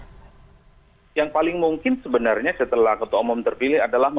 nah yang paling mungkin sebenarnya setelah ketua umum terpilih adalah